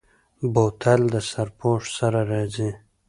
بوتل له سرپوښ سره راځي.